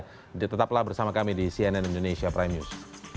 jadi tetaplah bersama kami di cnn indonesia prime news